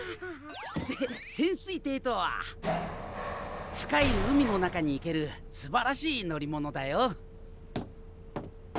せ潜水艇とは深い海の中に行けるすばらしい乗り物だよ。